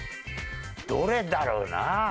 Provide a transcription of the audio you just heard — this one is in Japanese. どれだろうな？